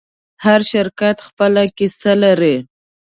هر شرکت خپله کیسه لري.